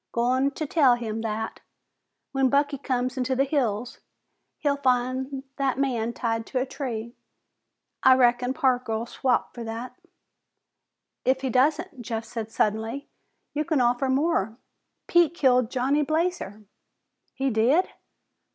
Goin' to tell him that, when Bucky comes into the hills, he'll find that man tied to a tree. I reckon Parker'll swap for that." "If he doesn't," Jeff said suddenly, "you can offer more. Pete killed Johnny Blazer!" "He did?"